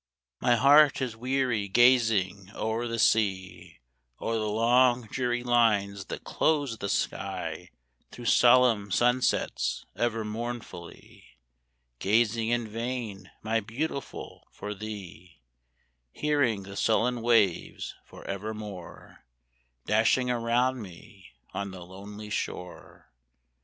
My heart is weary gazing o'er the sea; O'er the long dreary lines that close the sky; Through solemn sun sets ever mournfully, Gazing in vain, my Beautiful, for thee; Hearing the sullen waves for evermore Dashing around me on the lonely shore.